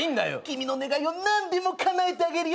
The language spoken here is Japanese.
「君の願いを何でもかなえてあげるよ」